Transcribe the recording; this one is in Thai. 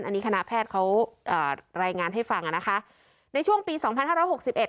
อันนี้คณะแพทย์เขาเอ่อรายงานให้ฟังอ่ะนะคะในช่วงปีสองพันห้าร้อยหกสิบเอ็